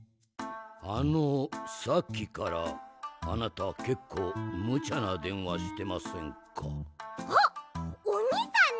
あのさっきからあなたけっこうむちゃなでんわしてませんか？